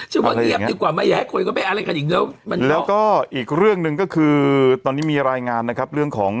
ฉันบอกเงียบดีกว่ามาอย่าให้คนออกไปอะไรกันตอนนี้มีรายงานที่มีเรื่องของ